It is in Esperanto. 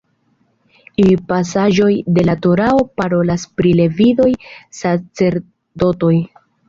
Iuj pasaĵoj de la Torao parolas pri “levidoj sacerdotoj”.